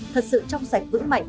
thật sự trong sạch vững mạnh